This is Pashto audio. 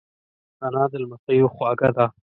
انا د لمسیو خواږه ده